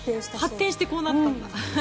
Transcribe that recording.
発展してこうなったんだ。